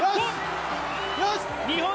日本！